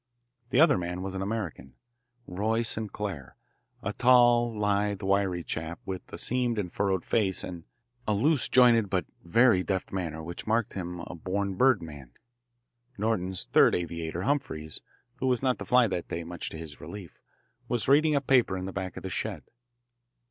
The other man was an American, Roy Sinclair, a tall, lithe, wiry chap with a seamed and furrowed face and a loose jointed but very deft manner which marked him a born bird man. Norton's third aviator, Humphreys, who was not to fly that day, much to his relief, was reading a paper in the back of the shed.